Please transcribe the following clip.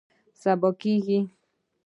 سبا کیږي